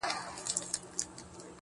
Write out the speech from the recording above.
نه پر مسجد ږغېږم نه پر درمسال ږغېږم~